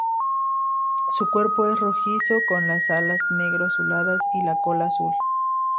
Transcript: Su cuerpo es rojizo con las alas negro azuladas y la cola azul.